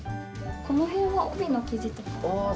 この辺は帯の生地とかで。